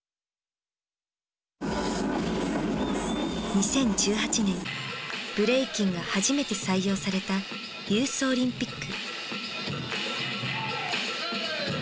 ２０１８年ブレイキンが初めて採用されたユースオリンピック。